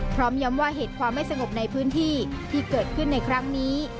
พร้อมย้ำว่าเหตุความไม่สงบในพื้นที่ที่เกิดขึ้นในครั้งนี้